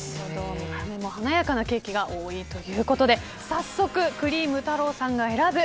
見た目も華やかなケーキが多いということで早速、クリーム太朗さんが選ぶ